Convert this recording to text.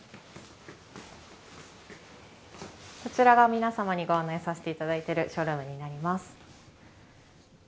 こちらが皆さまにご案内させていただいているショールームになります。